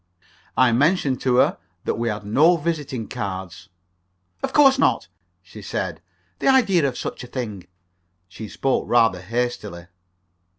I mentioned to her that we had no visiting cards. "Of course not," she said. "The idea of such a thing!" She spoke rather hastily.